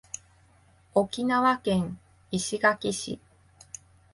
沖縄県石垣市